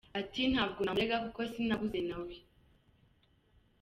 Ati"Ntabwo namurega kuko sinaguze na we.